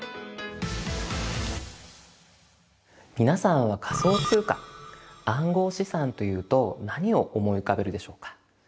皆さんは仮想通貨暗号資産というと何を思い浮かべるでしょうか。